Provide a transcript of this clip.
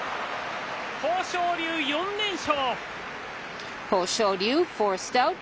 豊昇龍、４連勝。